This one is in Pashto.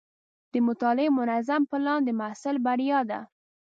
د مطالعې منظم پلان د محصل بریا ده.